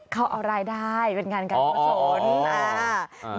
เขาเอารายได้เป็นงานการกุศล